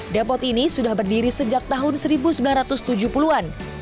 depot ini sudah berdiri sejak tahun seribu sembilan ratus tujuh puluh an